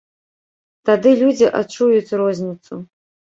Тады людзі адчуюць розніцу.